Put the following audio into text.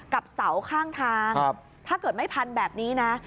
กับเสาข้างทางถ้าเกิดไม่พันแบบนี้นะ